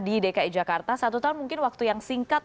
di dki jakarta satu tahun mungkin waktu yang singkat